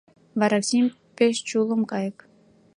Вараксим — пеш чулым кайык.